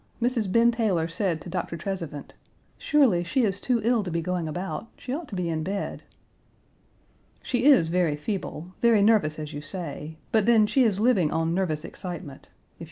Mrs. Ben Taylor said to Doctor Trezevant, "Surely, she is too ill to be going about; she ought to be in bed." "She is very feeble, very nervous, as you say, but then she is living on nervous excitement. If you shut her 1.